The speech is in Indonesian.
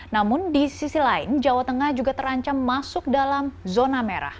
namun di sisi lain jawa tengah juga terancam masuk dalam zona merah